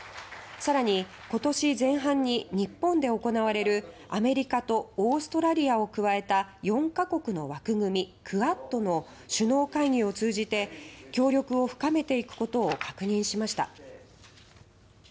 更に、今年前半に日本で行われるアメリカとオーストラリアを加えた４か国の枠組み・クアッドの首脳会議を通じて協力を深めていくことを確認しました。